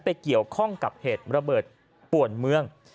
ไปเกี่ยวข้องกับเหตุระเบิดป่วนเมือง